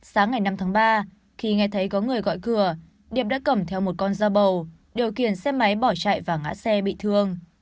sáng ngày năm tháng ba khi nghe thấy có người gọi cửa điệp đã cầm theo một con dao bầu điều kiện xe máy bỏ chạy và ngã xe bị thương